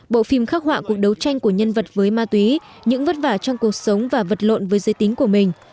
bộ phim khắc họa cuộc đấu tranh của nhân vật với ma túy những vất vả trong cuộc sống và vật lộn với giới tính của mình